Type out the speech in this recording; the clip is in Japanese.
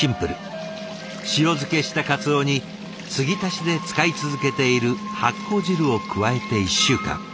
塩漬けした鰹に継ぎ足しで使い続けている発酵汁を加えて１週間。